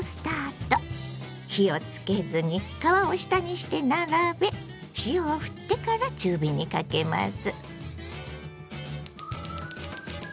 火をつけずに皮を下にして並べ塩をふってから中火にかけます。